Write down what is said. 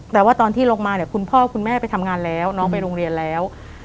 แต่ว่าตอนที่ลงมาเนี่ยคุณพ่อคุณแม่ไปทำงานแล้วน้องไปโรงเรียนแล้ว